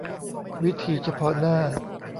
วิธีเฉพาะหน้า